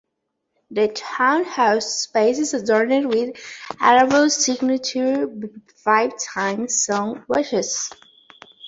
The townhouse space is adorned with Arabo's signature five-time-zone watches.